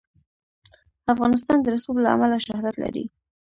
افغانستان د رسوب له امله شهرت لري.